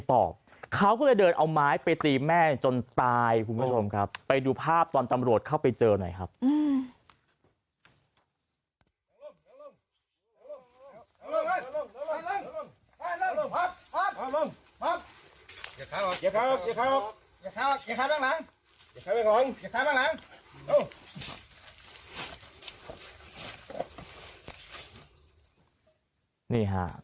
ไปดูภาพตอนตำรวจเข้าไปเจอหน่อย